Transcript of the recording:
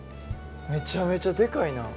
めちゃめちゃでかいな。